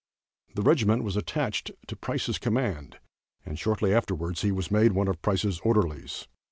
The regiment was attached to Price's command, and shortly afterwards he was made one of Price's orderlies.